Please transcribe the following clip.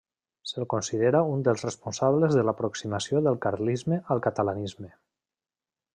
Se'l considera un dels responsables de l'aproximació del carlisme al catalanisme.